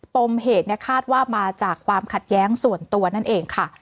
ปมเหตุคาดว่ามาจากความขัดแย้งส่วนตัวนั่นเองค่ะ